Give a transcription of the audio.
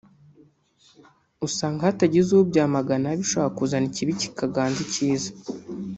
usanga hatagize ubyamagana bishobora kuzana ikibi kikaganza icyiza